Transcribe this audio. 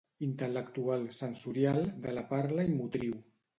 Intel·lectual, sensorial, de la parla i motriu.